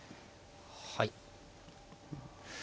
はい。